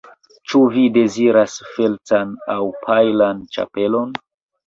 Ĉu vi deziras feltan aŭ pajlan ĉapelon?